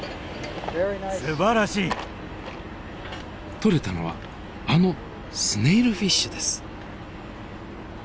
とれたのはあのスネイルフィッシュです。